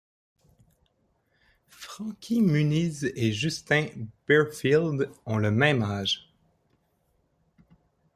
Frankie Muniz et Justin Berfield ont le même âge.